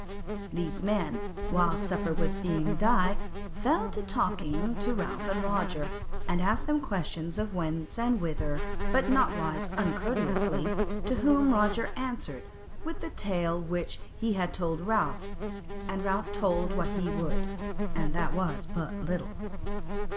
These men, while supper was being dight, fell to talking to Ralph and Roger, and asking them questions of whence and whither, but nowise uncourteously: to whom Roger answered with the tale which he had told Ralph, and Ralph told what he would, and that was but little.